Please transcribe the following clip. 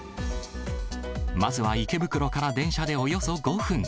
まずは池袋から電車でおよそ５分。